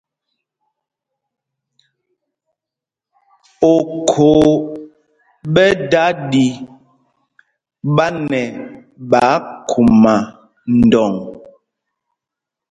Okhô ɓɛ da ɗi ɓa nɛ ɓáákguma ndɔŋ.